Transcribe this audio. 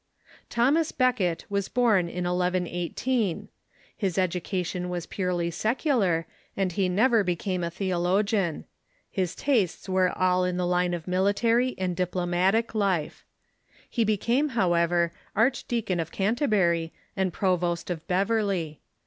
Thomas Becket was born in 1118. His education was pure ly secular, and lie never became a theologian. His tastes were all in the line of military and dii)lomatic life. He be Becket came, however, Archdeacon of Canterbury and Provost of Beverly.